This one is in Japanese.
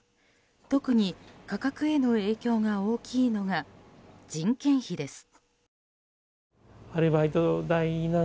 特に、価格への影響が大きいのが人件費です。